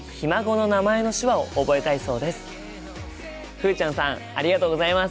ふうちゃんさんありがとうございます。